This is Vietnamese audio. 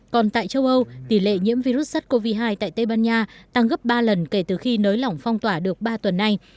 còn tại châu âu tỷ lệ nhiễm virus sars cov hai tại tây ban nha tăng gấp ba lần kể từ khi nới lỏng phong tỏa được ba tuần nay